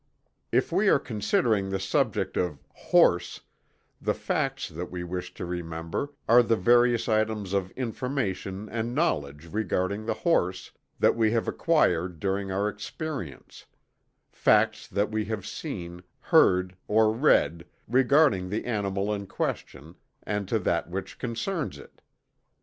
If we are considering the subject of "Horse," the "facts" that we wish to remember are the various items of information and knowledge regarding the horse, that we have acquired during our experience facts that we have seen, heard or read, regarding the animal in question and to that which concerns it.